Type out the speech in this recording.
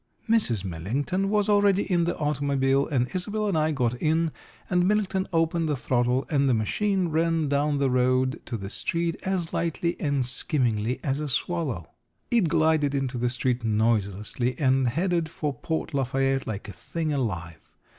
Mrs. Millington, was already in the automobile, and Isobel and I got in, and Millington opened the throttle and the machine ran down the road to the street as lightly and skimmingly as a swallow. It glided into the street noiselessly and headed for Port Lafayette like a thing alive.